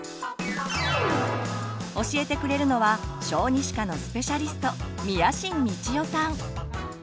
教えてくれるのは小児歯科のスペシャリスト